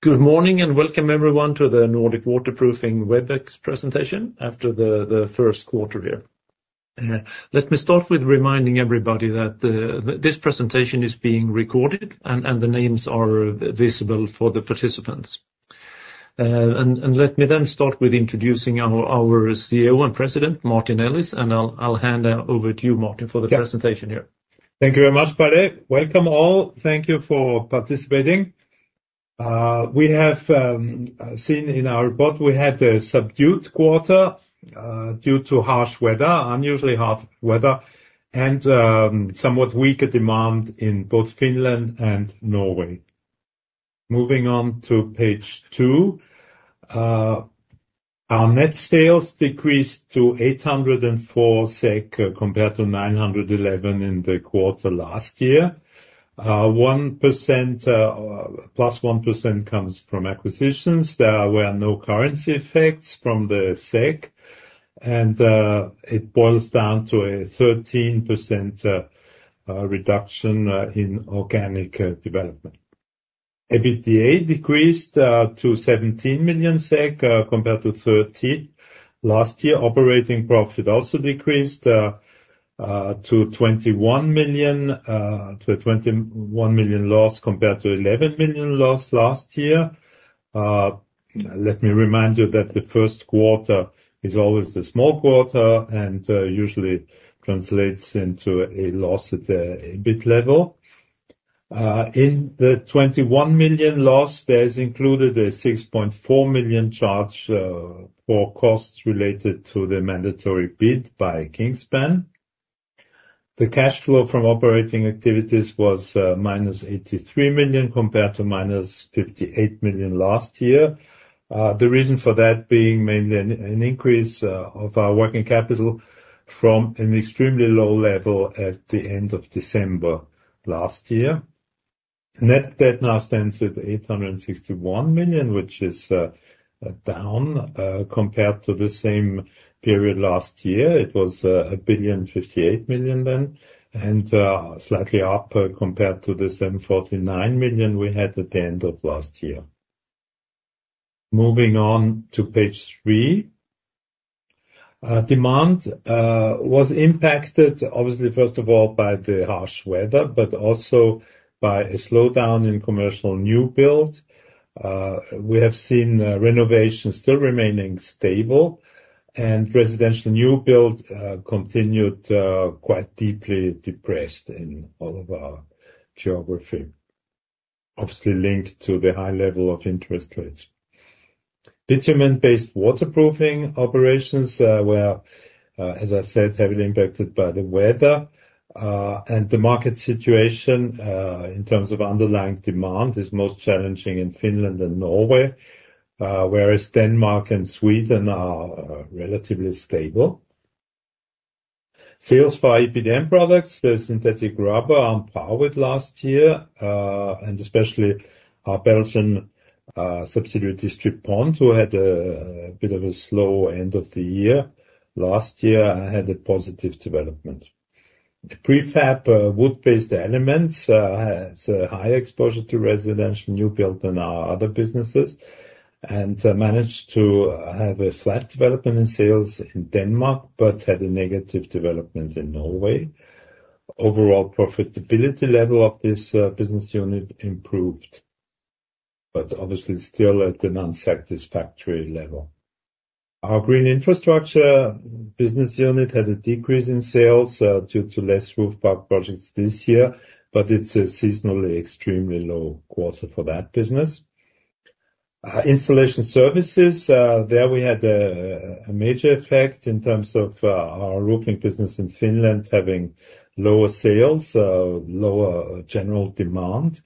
Good morning and welcome everyone to the Nordic Waterproofing Webex presentation after the first quarter here. Let me start with reminding everybody that this presentation is being recorded and the names are visible for the participants. Let me then start with introducing our CEO and President, Martin Ellis, and I'll hand over to you, Martin, for the presentation here. Thank you very much, Palle. Welcome, all. Thank you for participating. We have seen in our report we had a subdued quarter due to harsh weather, unusually harsh weather, and somewhat weaker demand in both Finland and Norway. Moving on to page two, our net sales decreased to 804 SEK compared to 911 in the quarter last year. +1% comes from acquisitions. There were no currency effects from the SEK, and it boils down to a 13% reduction in organic development. EBITDA decreased to 17 million SEK compared to 13 million last year. Operating profit also decreased to 21 million loss compared to 11 million loss last year. Let me remind you that the first quarter is always the small quarter and usually translates into a loss at the EBIT level. In the 21 million loss, there is included a 6.4 million charge for costs related to the mandatory bid by Kingspan. The cash flow from operating activities was -83 million compared to -58 million last year, the reason for that being mainly an increase of our working capital from an extremely low level at the end of December last year. Net debt now stands at 861 million, which is down compared to the same period last year. It was 1.058 billion then, and slightly up compared to the 749 million we had at the end of last year. Moving on to page three, demand was impacted, obviously, first of all, by the harsh weather, but also by a slowdown in commercial new build. We have seen renovations still remaining stable, and residential new build continued quite deeply depressed in all of our geography, obviously linked to the high level of interest rates. Bitumen-based waterproofing operations were, as I said, heavily impacted by the weather, and the market situation in terms of underlying demand is most challenging in Finland and Norway, whereas Denmark and Sweden are relatively stable. Sales by EPDM products, there's synthetic rubber on par with last year, and especially our Belgian subsidiary Distri Pond, who had a bit of a slow end of the year. Last year, I had a positive development. Prefab wood-based elements has a high exposure to residential new build and our other businesses, and managed to have a flat development in sales in Denmark, but had a negative development in Norway. Overall profitability level of this business unit improved, but obviously still at an unsatisfactory level. Our green infrastructure business unit had a decrease in sales due to less roof park projects this year, but it's a seasonally extremely low quarter for that business. Installation services, there we had a major effect in terms of our roofing business in Finland having lower sales, lower general demand,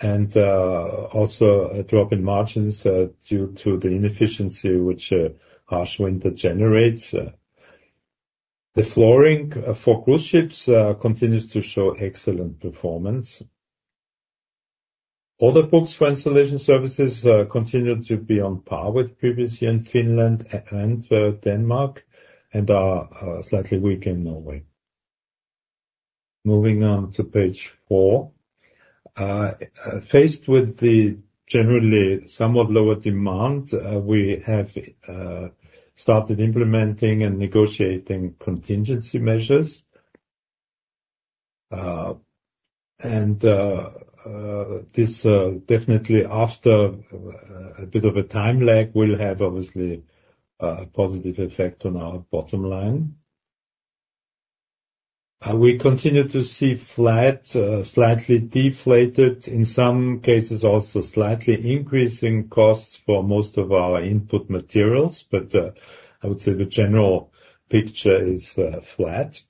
and also a drop in margins due to the inefficiency which harsh winter generates. The flooring for cruise ships continues to show excellent performance. Order books for installation services continue to be on par with previous year in Finland and Denmark, and are slightly weak in Norway. Moving on to page four, faced with the generally somewhat lower demand, we have started implementing and negotiating contingency measures. This definitely, after a bit of a time lag, will have obviously a positive effect on our bottom line. We continue to see freight slightly deflated, in some cases also slightly increasing costs for most of our input materials, but I would say the general picture is flat.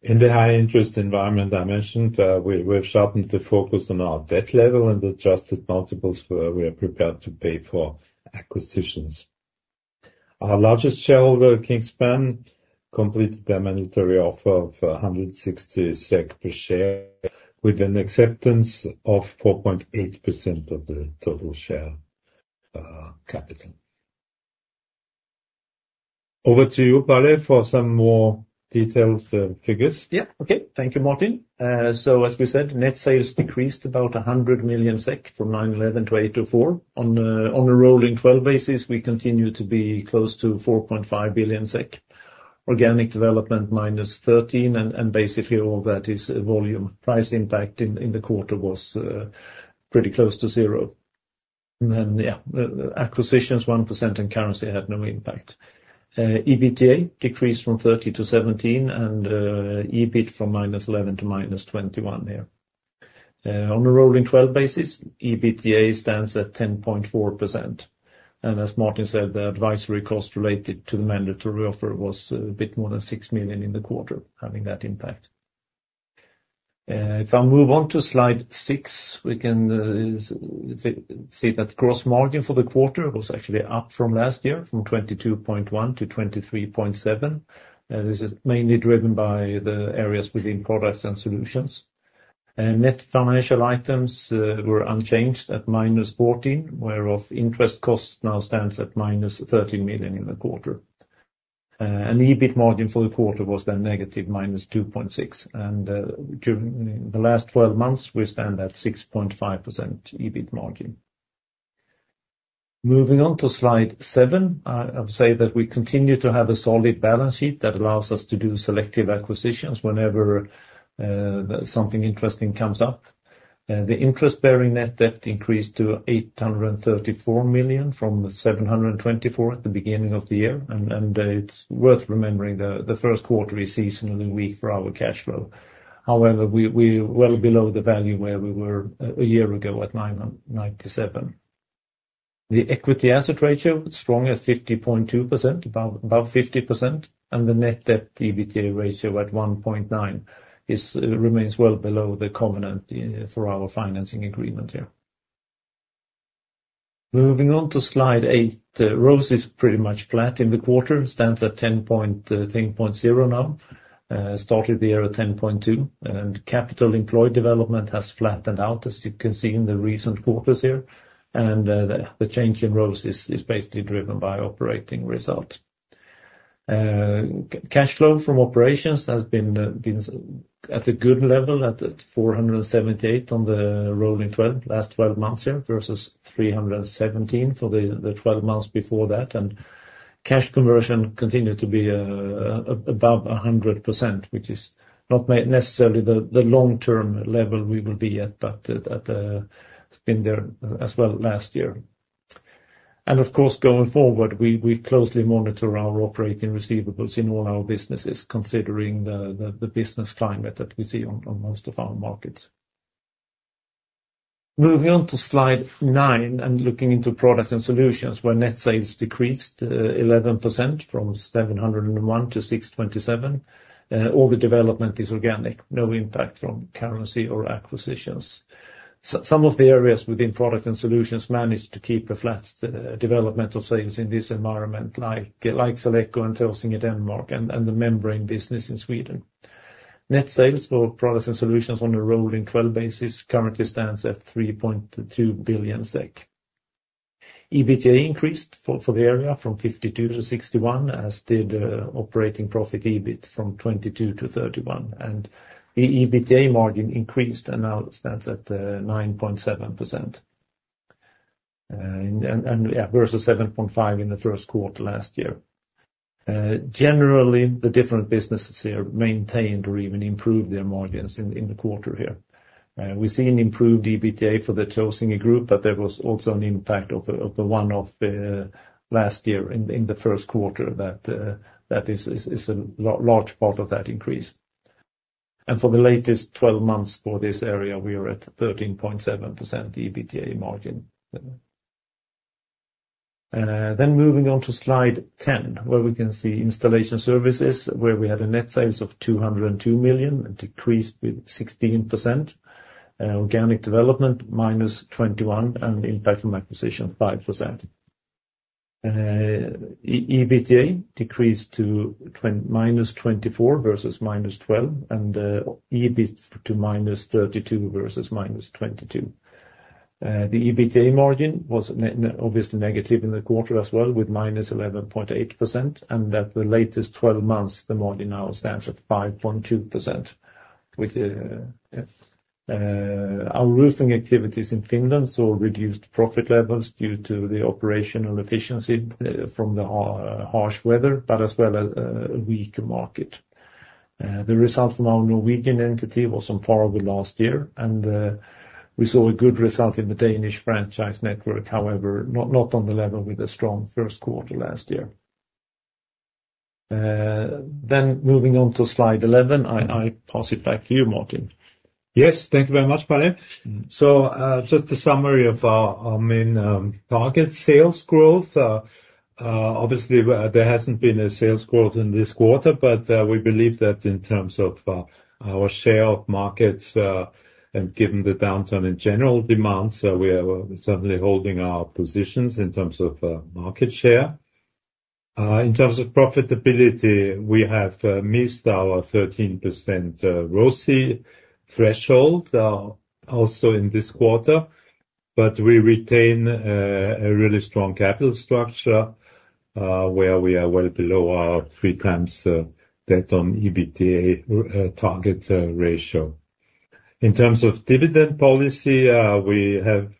In the high-interest environment I mentioned, we have sharpened the focus on our debt level and adjusted multiples where we are prepared to pay for acquisitions. Our largest shareholder, Kingspan, completed their mandatory offer of 160 SEK per share with an acceptance of 4.8% of the total share capital. Over to you, Palle, for some more detailed figures. Yeah, okay. Thank you, Martin. So, as we said, net sales decreased about 100 million SEK from 9/11 to 8/24. On a rolling 12 basis, we continue to be close to 4.5 billion SEK, organic development -13%, and basically all that is volume. Price impact in the quarter was pretty close to 0%. And yeah, acquisitions, 1%, and currency had no impact. EBITDA decreased from 30 million-17 million, and EBIT from -11 million to -21 million here. On a rolling 12 basis, EBITDA stands at 10.4%. And as Martin said, the advisory cost related to the mandatory offer was a bit more than 6 million in the quarter, having that impact. If I move on to slide six, we can see that gross margin for the quarter was actually up from last year, from 22.1% to 23.7%. This is mainly driven by the areas within products and solutions. Net financial items were unchanged at -14 million, whereas interest cost now stands at -13 million in the quarter. An EBIT margin for the quarter was then negative -2.6%. During the last 12 months, we stand at 6.5% EBIT margin. Moving on to slide seven, I would say that we continue to have a solid balance sheet that allows us to do selective acquisitions whenever something interesting comes up. The interest-bearing net debt increased to 834 million from 724 million at the beginning of the year. It's worth remembering the first quarter is seasonally weak for our cash flow. However, we're well below the value where we were a year ago at 997 million. The equity asset ratio, strong at 50.2%, above 50%, and the net debt to EBITDA ratio at 1.9x remains well below the covenant for our financing agreement here. Moving on to slide eight, ROCE is pretty much flat in the quarter, stands at 10.0 now, started the year at 10.2. Capital employed development has flattened out, as you can see in the recent quarters here. The change in ROCE is basically driven by operating results. Cash flow from operations has been at a good level, at 478 million on the rolling 12, last 12 months here, versus 317 million for the 12 months before that. Cash conversion continued to be above 100%, which is not necessarily the long-term level we will be yet, but it's been there as well last year. Of course, going forward, we closely monitor our operating receivables in all our businesses, considering the business climate that we see on most of our markets. Moving on to slide nine and looking into products and solutions, where net sales decreased 11% from 701-627, all the development is organic, no impact from currency or acquisitions. Some of the areas within products and solutions managed to keep a flat development of sales in this environment, like SealEco and Taasinge in Denmark, and the membrane business in Sweden. Net sales for products and solutions on a rolling 12 basis currently stands at 3.2 billion SEK. EBITDA increased for the area from 520-61, as did operating profit EBIT from 22-31. The EBITDA margin increased and now stands at 9.7%, versus 7.5% in the first quarter last year. Generally, the different businesses here maintained or even improved their margins in the quarter here. We see an improved EBITDA for the Taasinge Group, but there was also an impact of one-off last year in the first quarter that is a large part of that increase. And for the latest 12 months for this area, we are at 13.7% EBITDA margin. Then moving on to slide 10, where we can see installation services, where we had net sales of 202 million and decreased with 16%, organic development -21%, and impact from acquisition 5%. EBITDA decreased to -24% versus -12%, and EBIT to -32% versus -22%. The EBITDA margin was obviously negative in the quarter as well, with -11.8%. And at the latest 12 months, the margin now stands at 5.2%. Our roofing activities in Finland saw reduced profit levels due to the operational efficiency from the harsh weather, but as well as a weak market. The results from our Norwegian entity were on par with last year, and we saw a good result in the Danish franchise network, however, not on the level with a strong first quarter last year. Then moving on to slide 11, I pass it back to you, Martin. Yes, thank you very much, Palle. So just a summary of our main target sales growth. Obviously, there hasn't been a sales growth in this quarter, but we believe that in terms of our share of markets and given the downturn in general demands, we are certainly holding our positions in terms of market share. In terms of profitability, we have missed our 13% ROCE threshold also in this quarter, but we retain a really strong capital structure where we are well below our 3x debt on EBITDA target ratio. In terms of dividend policy, we have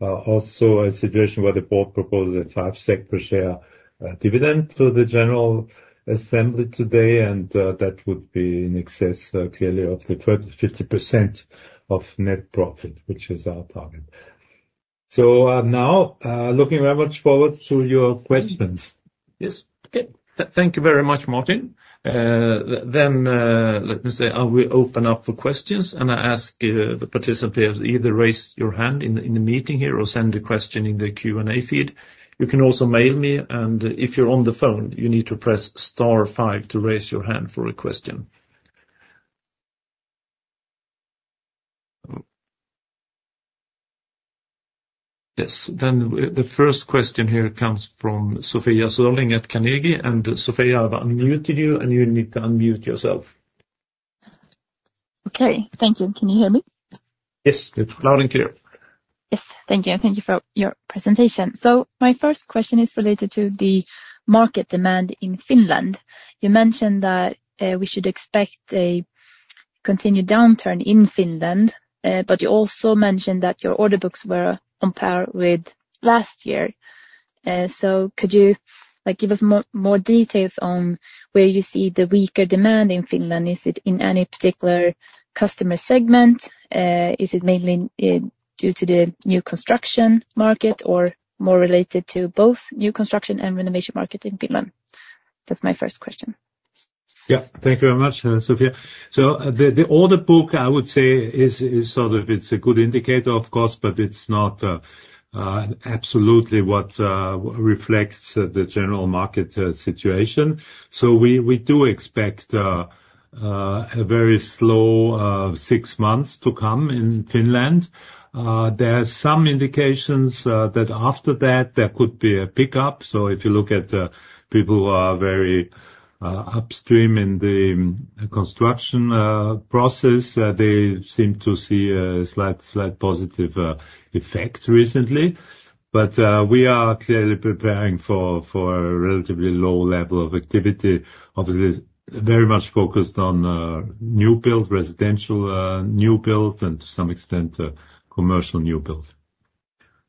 also a situation where the board proposed a 5 SEK per share dividend for the general assembly today, and that would be in excess clearly of the 50% of net profit, which is our target. So now, looking very much forward to your questions. Yes, okay. Thank you very much, Martin. Then let me say, I will open up for questions, and I ask the participants either raise your hand in the meeting here or send a question in the Q&A feed. You can also mail me, and if you're on the phone, you need to press star five to raise your hand for a question. Yes, then the first question here comes from Sofia Sörling at Carnegie, and Sofia, I've unmuted you, and you need to unmute yourself. Okay, thank you. Can you hear me? Yes, it's loud and clear. Yes, thank you, and thank you for your presentation. My first question is related to the market demand in Finland. You mentioned that we should expect a continued downturn in Finland, but you also mentioned that your order books were on par with last year. Could you give us more details on where you see the weaker demand in Finland? Is it in any particular customer segment? Is it mainly due to the new construction market or more related to both new construction and renovation market in Finland? That's my first question. Yeah, thank you very much, Sofia. So the order book, I would say, is sort of a good indicator, of course, but it's not absolutely what reflects the general market situation. So we do expect a very slow six months to come in Finland. There are some indications that after that, there could be a pickup. So if you look at people who are very upstream in the construction process, they seem to see a slight positive effect recently. But we are clearly preparing for a relatively low level of activity, obviously very much focused on new build, residential new build, and to some extent, commercial new build.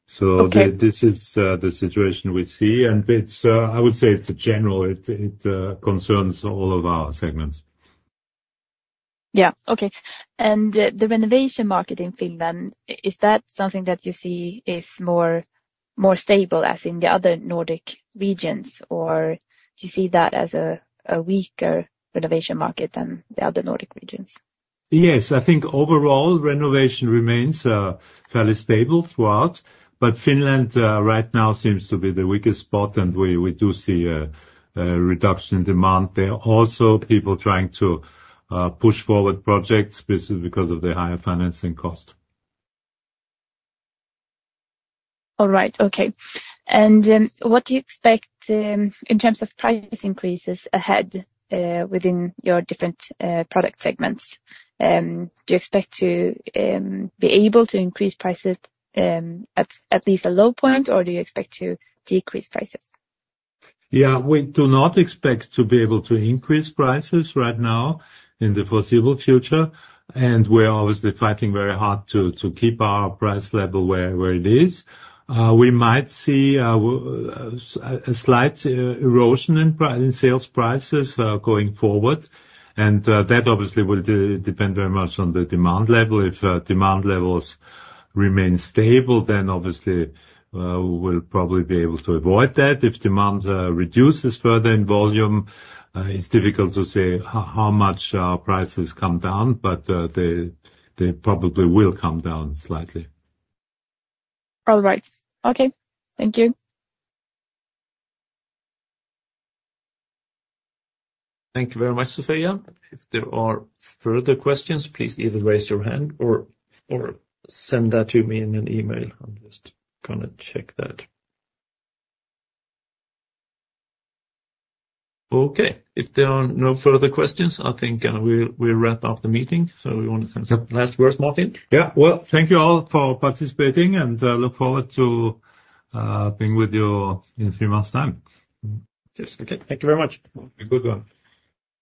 So this is the situation we see. And I would say it's general. It concerns all of our segments. Yeah, okay. And the renovation market in Finland, is that something that you see is more stable as in the other Nordic regions, or do you see that as a weaker renovation market than the other Nordic regions? Yes, I think overall, renovation remains fairly stable throughout, but Finland right now seems to be the weakest spot, and we do see a reduction in demand. There are also people trying to push forward projects because of the higher financing cost. All right, okay. And what do you expect in terms of price increases ahead within your different product segments? Do you expect to be able to increase prices at least at a low point, or do you expect to decrease prices? Yeah, we do not expect to be able to increase prices right now in the foreseeable future. We're obviously fighting very hard to keep our price level where it is. We might see a slight erosion in sales prices going forward. That obviously will depend very much on the demand level. If demand levels remain stable, then obviously we'll probably be able to avoid that. If demand reduces further in volume, it's difficult to say how much prices come down, but they probably will come down slightly. All right. Okay. Thank you. Thank you very much, Sofia. If there are further questions, please either raise your hand or send that to me in an email. I'm just going to check that. Okay. If there are no further questions, I think we'll wrap up the meeting. So we want to send some last words, Martin. Yeah, well, thank you all for participating, and I look forward to being with you in three months' time. Yes, okay. Thank you very much. Have a good one.